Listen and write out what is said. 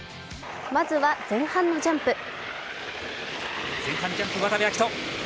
まずは前半のジャンプ。